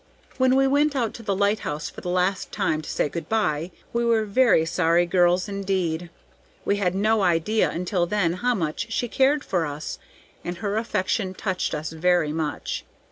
When we went out to the lighthouse for the last time to say good by, we were very sorry girls indeed. We had no idea until then how much she cared for us, and her affection touched us very much.